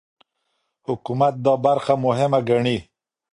حکومت دا برخه مهمه ګڼي.